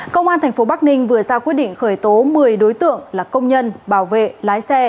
công an tp bắc ninh vừa ra quyết định khởi tố một mươi đối tượng là công nhân bảo vệ lái xe